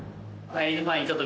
はい。